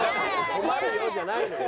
「困るよ」じゃないのよ。